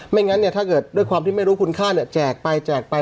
ไม่งั้นเนี่ยถ้าเกิดด้วยความที่ไม่รู้คุณค่าเนี่ยแจกไปแจกไป